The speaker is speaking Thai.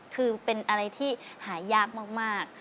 คือเป็นอะไรที่หายากมาก